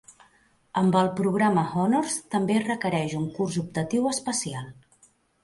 Amb el programa Honors també es requereix un curs optatiu especial.